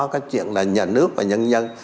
cái chuyện là nhà nước và nhân dân